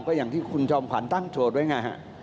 ก็อย่างที่คุณจอมขวัญตั้งโจทย์ไว้ไงฮะ